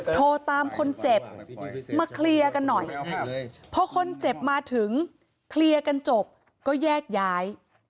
โทรตามคนเจ็บมาเคลียร์กันหน่อยพอคนเจ็บมาถึงเคลียร์กันจบก็แยกย้าย